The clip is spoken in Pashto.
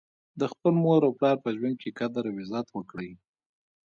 د خپل مور او پلار په ژوند کي قدر او عزت وکړئ